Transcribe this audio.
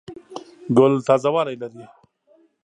ګل تازه والی لري.